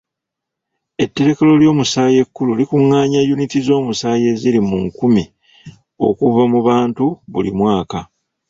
Etterekero ly'omusaayi ekkulu likungaanya yuniti z'omusaayi eziri mu nkumbi okuva mu bantu buli mwaka.